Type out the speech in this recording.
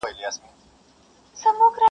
ځکه نه خېژي په تله برابر د جهان یاره ,